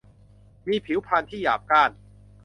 มีผิวพรรณที่หยาบกร้าน